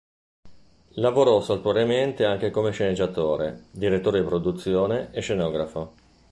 Lavorò saltuariamente anche come sceneggiatore, direttore di produzione e scenografo.